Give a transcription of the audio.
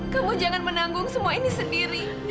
kamu jangan menanggung semua ini sendiri